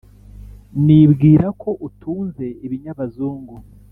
Nibwirako utunze ibinyabazungu